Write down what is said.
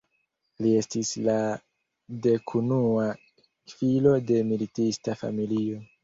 Li estis la dekunua filo de militista familio.